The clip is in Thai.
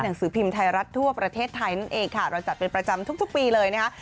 หนังสือพิมพ์ไทยรัฐทั่วประเทศไทยนั่นเองค่ะเราจัดเป็นประจำทุกปีเลยนะคะ